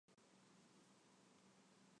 嘉庆十六年园寝。